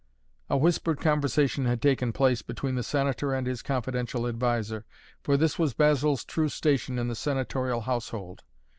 A whispered conversation had taken place between the Senator and his confidential adviser, for this was Basil's true station in the senatorial household.